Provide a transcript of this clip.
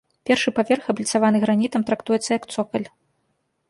Першы паверх, абліцаваны гранітам, трактуецца як цокаль.